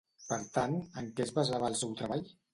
Per tant, en què es basava el seu treball?